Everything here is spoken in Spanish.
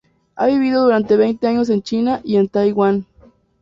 Ha vivido durante veinte años en China y en Taiwán.